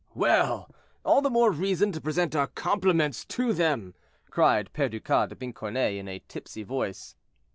"Well! all the more reason to present our compliments to them," cried Perducas de Pincornay, in a tipsy voice.